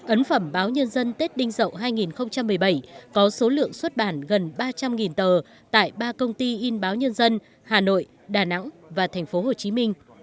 ấn phẩm báo nhân dân tết đinh dậu hai nghìn một mươi bảy có số lượng xuất bản gần ba trăm linh tờ tại ba công ty in báo nhân dân hà nội đà nẵng và tp hcm